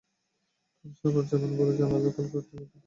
তাঁরা সাভার যাবেন বলে জানালেও কাকলীতে ব্যাগটি বাসে রেখেই নেমে যান।